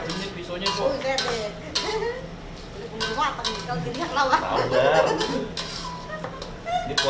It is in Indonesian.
iya pasanglah itu